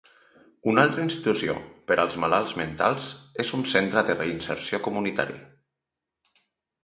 Una altra institució per als malalts mentals és un centre de reinserció comunitari.